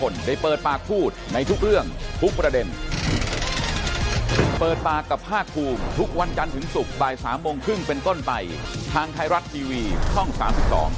แล้วเราความรู้สึกเรา